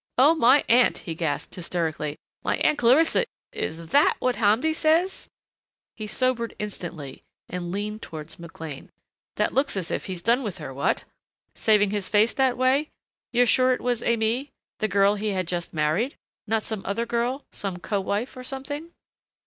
"Oh, my Aunt!" he gasped hysterically. "My Aunt Clarissa is that what Hamdi says!" He sobered instantly and leaned towards McLean. "That looks as if he's done with her what? Saving his face that way? You're sure it was Aimée the girl he had just married? Not some other girl some co wife or something?"